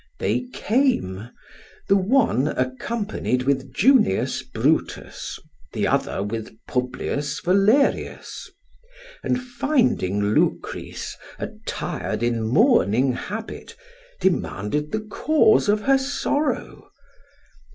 They came, the one accompanied with Junius Brutus, the other with Publius Valerius; and finding Lucrece attired in mourning habit, demanded the cause of her sorrow.